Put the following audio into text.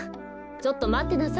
ちょっとまってなさい。